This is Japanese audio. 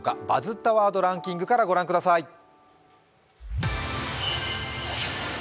「バズったワードランキング」から御覧ください。